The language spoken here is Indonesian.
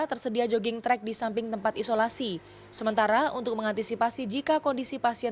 tersedia jogging track di samping tempat isolasi sementara untuk mengantisipasi jika kondisi pasien